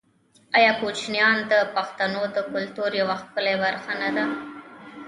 آیا کوچیان د پښتنو د کلتور یوه ښکلې برخه نه ده؟